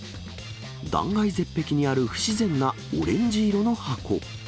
断崖絶壁にある不自然なオレンジ色の箱。